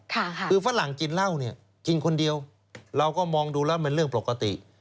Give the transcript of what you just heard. คือฝรั่งกินเหล้าเนี่ยกินคนเดียวเราก็มองดูแล้วเป็นเรื่องปกติ